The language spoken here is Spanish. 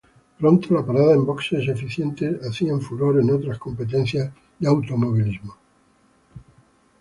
Pronto, la parada en boxes eficientes hacían furor en otras competencias de automovilismo.